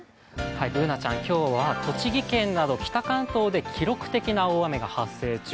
Ｂｏｏｎａちゃん、今日は栃木県など北関東で記録的な大雨が発生中。